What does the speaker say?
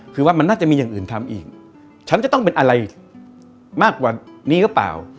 คือว่ามันน่าจะมีอย่างอื่นทำอีกฉันจะต้องเป็นอะไรมากกว่านี้หรือเปล่า